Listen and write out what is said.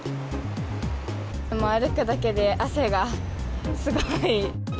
歩くだけで汗がすごい。